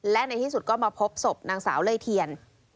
และในที่สุดก็มาพบศพนางสาวเลยเทียน